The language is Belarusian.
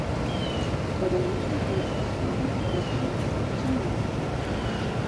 Падарожнікаў з пашанай сустракаюць суайчыннікі.